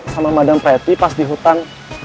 sama madang preti pas di hutan